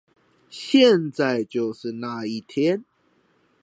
現在就是那一天